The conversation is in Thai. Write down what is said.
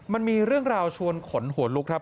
มันมีเรื่องราวชวนขนหัวลุกครับ